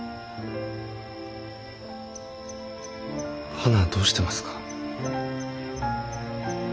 はなどうしてますか？